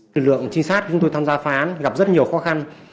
lực lượng trinh sát chúng tôi tham gia phá án gặp rất nhiều khó khăn